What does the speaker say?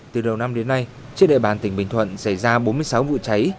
từ đầu năm đến nay trên địa bàn tỉnh bình thuận xảy ra bốn mươi sáu vụ cháy